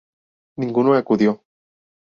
Ninguno acudió".